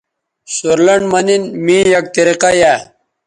سورلنڈ مہ نِن می یک طریقہ یائ